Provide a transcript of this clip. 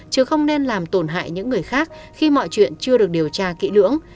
chứ không nên làm tổn hại những người khác khi mọi chuyện chưa được điều tra kỹ lưỡng